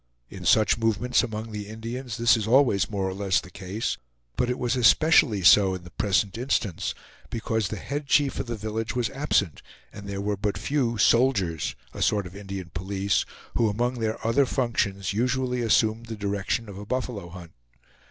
In such movements among the Indians this is always more or less the case; but it was especially so in the present instance, because the head chief of the village was absent, and there were but few "soldiers," a sort of Indian police, who among their other functions usually assumed the direction of a buffalo hunt.